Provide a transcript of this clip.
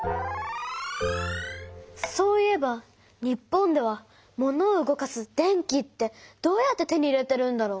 そういえば日本ではモノを動かす電気ってどうやって手に入れてるんだろう？